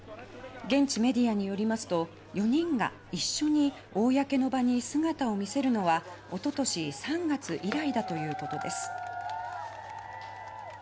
現地メディアによりますと４人が一緒に公の場に姿を見せるのはおととし３月以来だということです。